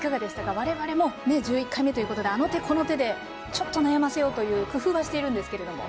我々も１１回目ということであの手この手でちょっと悩ませようという工夫はしているんですけれども。